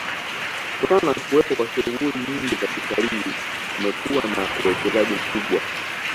Kutokana na kuwepo kwa shughuli nyingi za kitalii kumekuwa na uwekezaji mkubwa